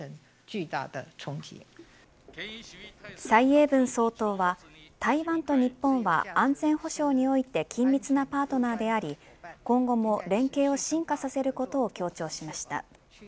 蔡英文総統は台湾と日本は、安全保障において緊密なパートナーであり今後も連携を深化させることを強調しました。